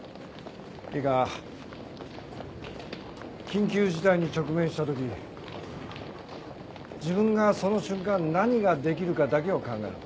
緊急事態に直面した時自分がその瞬間何ができるかだけを考えろ。